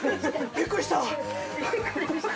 びっくりした。